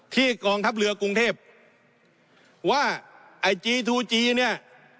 กองทัพเรือกรุงเทพว่าไอจีทูจีเนี่ย